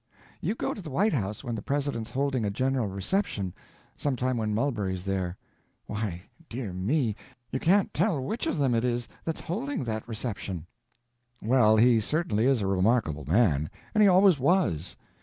You go to the White House when the President's holding a general reception—sometime when Mulberry's there. Why, dear me, you can't tell which of them it is that's holding that reception." "Well, he certainly is a remarkable man—and he always was.